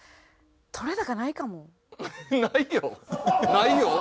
ないよ！